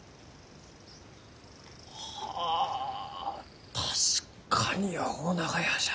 はあ確かに青長屋じゃ。